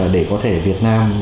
để có thể việt nam